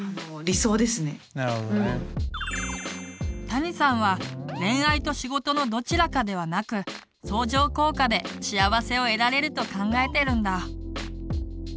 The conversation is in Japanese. たにさんは恋愛と仕事のどちらかではなく相乗効果で幸せを得られると考えてるんだ。